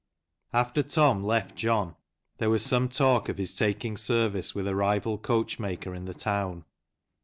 After Tom left John there was some talk of his taking service with a rival coachmaker in the town.